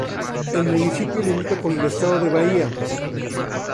El municipio limita con el estado de Bahía.